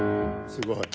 すごい。